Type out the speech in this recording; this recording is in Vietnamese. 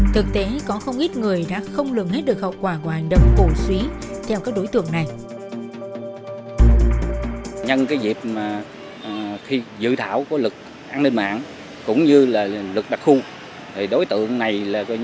thực tế có không ít người đã không lường hết được hậu quả của hành động cổ suý theo các đối tượng này